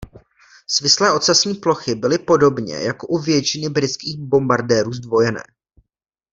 Svislé ocasní plochy byly podobně jako u většiny britských bombardérů zdvojené.